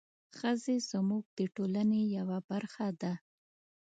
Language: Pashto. ښځې زموږ د ټولنې یوه برخه ده.